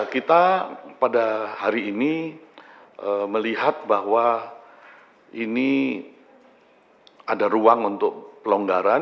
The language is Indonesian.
kita pada hari ini melihat bahwa ini ada ruang untuk pelonggaran